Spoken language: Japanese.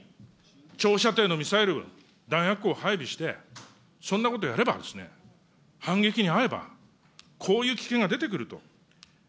長射程のミサイル、弾薬庫を配備して、そんなことやればですね、反撃に遭えば、こういう危険が出てくると。